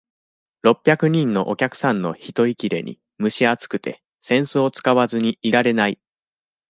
六百人のお客さんの人いきれに、むし暑くて、扇子を使わずにいられない。